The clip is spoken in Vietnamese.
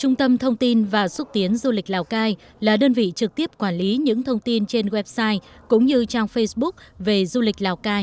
trung tâm thông tin và xúc tiến du lịch lào cai là đơn vị trực tiếp quản lý những thông tin trên website cũng như trang facebook về du lịch lào cai